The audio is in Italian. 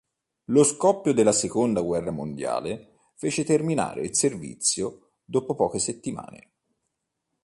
Lo scoppio della seconda guerra mondiale fece terminare il servizio dopo poche settimane.